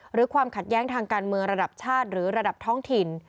ความขัดแย้งทางการเมืองระดับชาติหรือระดับท้องถิ่น